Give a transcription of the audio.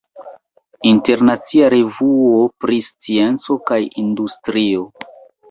Internacia revuo pri scienco kaj industrio.